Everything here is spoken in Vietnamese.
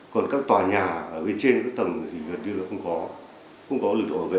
còn các tòa nhà ở bên trên tầng thì hẳn như là không có lực tượng bảo vệ